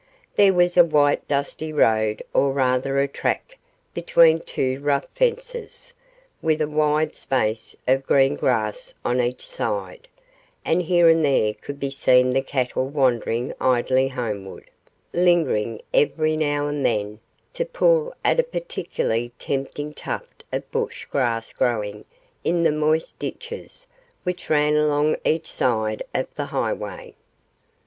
There was a white dusty road or rather a track between two rough fences, with a wide space of green grass on each side, and here and there could be seen the cattle wandering idly homeward, lingering every now and then to pull at a particularly tempting tuft of bush grass growing in the moist ditches which ran along each side of the highway.